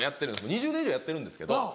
２０年以上やってるんですけど。